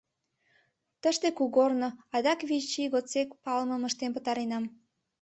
Тыште кугорно, адак вич ий годсек палымым ыштен пытаренам.